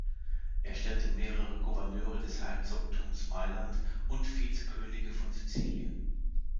Es stellte mehrere Gouverneure des Herzogtums Mailand und Vizekönige von Sizilien.